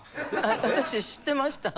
私知ってました。